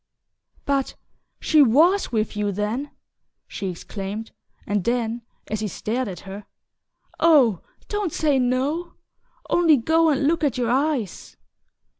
"But she WAS with you, then?" she exclaimed; and then, as he stared at her: "Oh, don't say no! Only go and look at your eyes!"